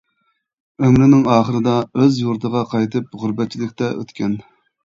ئۆمرىنىڭ ئاخىرىدا ئۆز يۇرتىغا قايتىپ، غۇربەتچىلىكتە ئۆتكەن.